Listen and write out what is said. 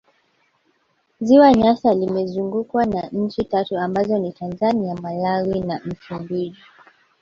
Ziwa Nyasa limezungukwa na nchi tatu ambazo ni Tanzania Malawi na Msumbiji